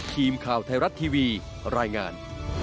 ทีมข่าวไทยรัฐทีวีรายงาน